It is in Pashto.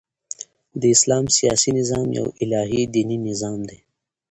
د اسلام سیاسي نظام یو الهي دیني نظام دئ.